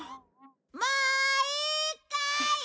もういいかい？